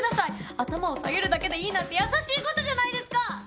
頭を下げるだけでいいなんて優しい方じゃないですか。